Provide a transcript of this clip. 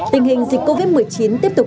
tình hình dịch covid một mươi chín tiếp tục